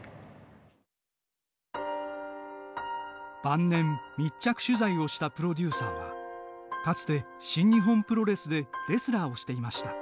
晩年密着取材をしたプロデューサーはかつて新日本プロレスでレスラーをしていました。